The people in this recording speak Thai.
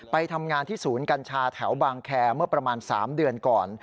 ไปทำงานที่ศูนย์กัญชาแถวบางแคร์เมื่อประมาณ๓เดือนก่อน